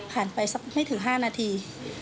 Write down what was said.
ไปสักไม่ถึง๕นาที